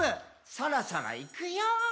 「そろそろいくよー」